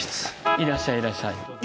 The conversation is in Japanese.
いらっしゃいいらっしゃい。